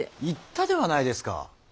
言ったではないですか。